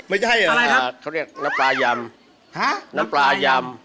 ไม่ใช่เขาเรียกน้ำปลายำน้ำปลายำ